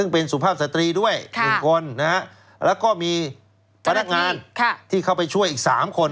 ซึ่งเป็นสุภาพสตรีด้วย๑คนแล้วก็มีพนักงานที่เข้าไปช่วยอีก๓คน